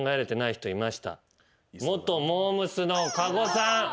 元モー娘。の加護さん。